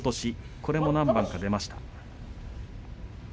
これも何番か出ました。